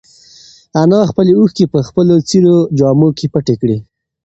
انا خپلې اوښکې په خپلو څېرو جامو کې پټې کړې.